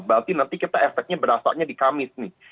berarti nanti kita efeknya berasanya di kamis nih